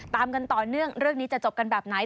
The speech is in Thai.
ตามกันต่อเนื่องเรื่องนี้จะจบกันแบบไหน